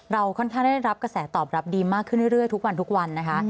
ค่อนข้างได้รับกระแสตอบรับดีมากขึ้นเรื่อยทุกวันทุกวันนะคะ